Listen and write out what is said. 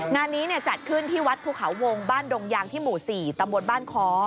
งานนี้จัดขึ้นที่วัดภูเขาวงบ้านดงยางที่หมู่๔ตำบลบ้านค้อ